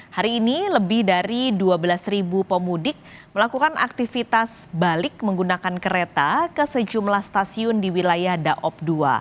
hari ini lebih dari dua belas pemudik melakukan aktivitas balik menggunakan kereta ke sejumlah stasiun di wilayah daob dua